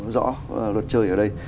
rõ luật chơi ở đây